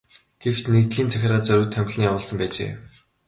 Гэвч нэгдлийн захиргаа зориуд томилон явуулсан байжээ.